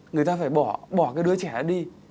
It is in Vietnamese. người ta phải bỏ cái đứa trẻ đi